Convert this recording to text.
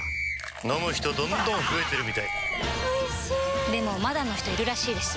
飲む人どんどん増えてるみたいおいしでもまだの人いるらしいですよ